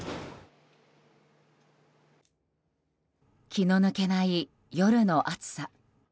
気の抜けない、夜の暑さ。